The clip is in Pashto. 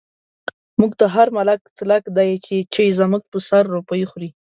موږ ته هر ملک تلک دی، چۍ زموږ په سر روپۍ خوری